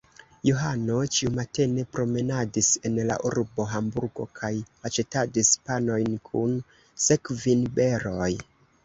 Johano ĉiumatene promenadis en la urbo Hamburgo kaj aĉetadis panojn kun sekvinberoj.